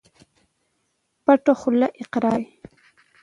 پټه خوله اقرار ده.